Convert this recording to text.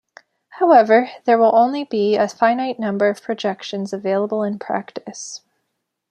However, there will only be a finite number of projections available in practice.